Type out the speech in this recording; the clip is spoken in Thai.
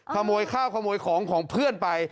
ขโมยข้าวขโมยของของเพื่อนไป